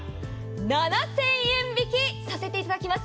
７０００円引きさせていただきます。